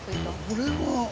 これは。